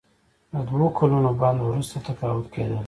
د دوه کلونو بند وروسته تقاعد کیدل.